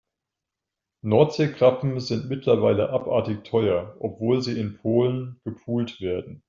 Nordseekrabben sind mittlerweile abartig teuer, obwohl sie in Polen gepult werden.